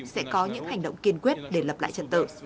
sẽ có những hành động kiên quyết để lập lại trật tự